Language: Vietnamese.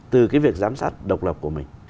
từ cái việc giám sát độc lập của mình